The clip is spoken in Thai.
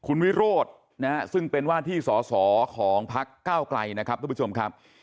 คุณวิโรธนะฮะซึ่งเป็นว่าที่สอสอของพักเก้าไกลนะครับทุกผู้ชมครับ